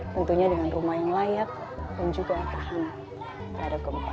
tentunya dengan rumah yang layak dan juga yang tahan dari gempa